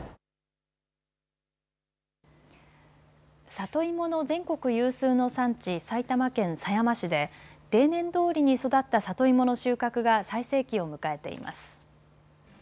里芋の全国有数の産地、埼玉県狭山市で例年どおりに育った里芋の収穫が最盛期を迎えています。